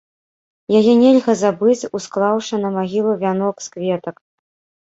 Яе нельга забыць, усклаўшы на магілу вянок з кветак.